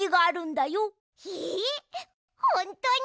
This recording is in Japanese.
ほんとに？